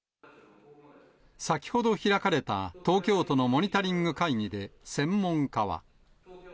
先ほど開かれた東京都のモニタリング会議で、専門家は。